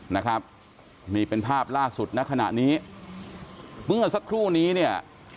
นะครับนี่เป็นภาพล่าสุดณขณะนี้เมื่อสักครู่นี้เนี่ย